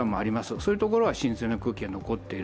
そういうところは新鮮な空気が残っている。